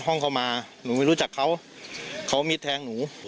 เข้ามาหนูไม่รู้จักเขาเขามิดแทงหนู